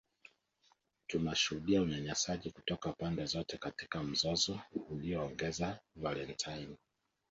Tunashuhudia unyanyasaji kutoka pande zote katika mzozo, aliongeza Valentine